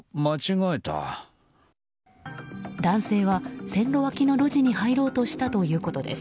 男性は線路脇の路地に入ろうとしたということです。